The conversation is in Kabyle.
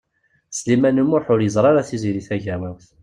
Sliman U Muḥ ur yeẓri ara Tiziri Tagawawt.